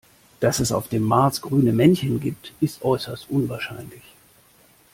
Dass es auf dem Mars grüne Männchen gibt, ist äußerst unwahrscheinlich.